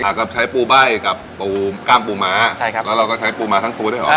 หากเราใช้ปูใบ้กับกล้ามปูม้าแล้วเราก็ใช้ปูม้าทั้งตัวด้วยหรอ